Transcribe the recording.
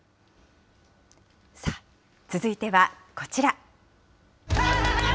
さあ、続いてはこちら。